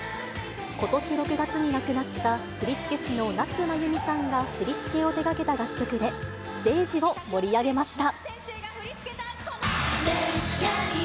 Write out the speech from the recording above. ことし６月に亡くなった振付師の夏まゆみさんが振り付けを手がけた楽曲でステージを盛り上げました。